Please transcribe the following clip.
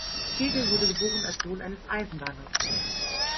Kegel wurde geboren als Sohn eines Eisenbahners.